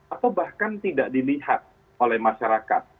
atau bahkan tidak dilihat oleh masyarakat